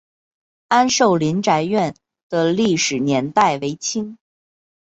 安寿林宅院的历史年代为清。